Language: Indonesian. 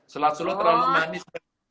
sulat solo terlalu manis